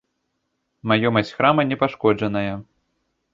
Маёмасць храма не пашкоджаная.